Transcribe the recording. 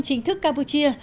chính thức campuchia